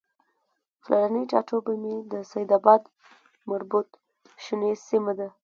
پلرنی ټاټوبی مې د سیدآباد مربوط شنیز سیمه ده